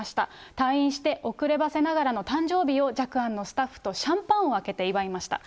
退院して、遅ればせながらの誕生日を、寂庵のスタッフとシャンパンを開けて祝いました。